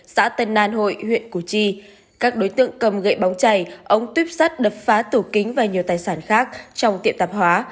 xã tân an hội huyện củ chi các đối tượng cầm gậy bóng chảy ống tuyếp sắt đập phá tủ kính và nhiều tài sản khác trong tiệm tạp hóa